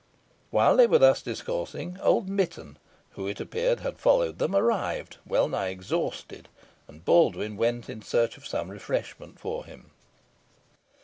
While they were thus discoursing, Old Mitton, who it appeared had followed them, arrived wellnigh exhausted, and Baldwyn went in search of some refreshment for him.